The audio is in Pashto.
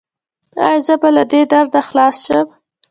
ایا زه به له دې درده خلاص شم؟